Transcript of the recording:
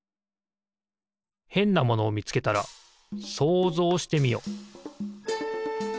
へんなものをみつけたら想像してみよ。